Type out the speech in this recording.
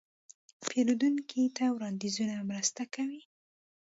پیرودونکي ته وړاندیزونه مرسته کوي.